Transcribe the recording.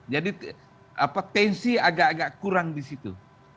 jadi apatensi agak agak kurang di situ